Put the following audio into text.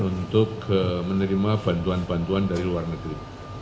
untuk menerima bantuan bantuan dari luar negeri